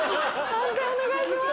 判定お願いします。